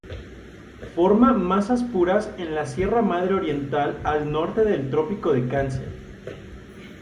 Forma masas puras en la Sierra Madre Oriental al norte del Trópico de Cáncer.